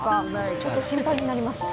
ちょっと心配になります。